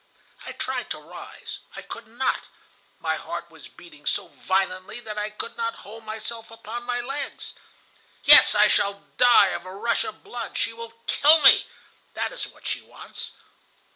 "I tried to rise. I could not. My heart was beating so violently that I could not hold myself upon my legs. 'Yes, I shall die of a rush of blood. She will kill me. That is what she wants.